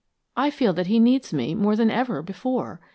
I feel that he needs me, more than ever before.